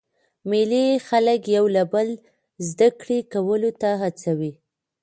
مېلې خلک یو له بله زده کړي کولو ته هڅوي.